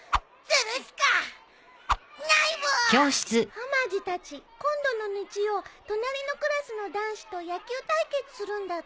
はまじたち今度の日曜隣のクラスの男子と野球対決するんだって。